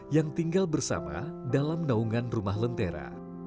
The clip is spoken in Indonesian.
yang tinggal bersama dalam naungan rumah lentera